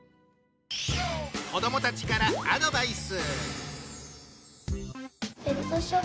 子供たちからアドバイス。